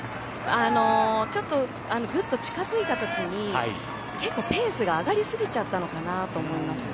ちょっとぐっと近づいた時に結構ペースが上がりすぎちゃったのかなと思います。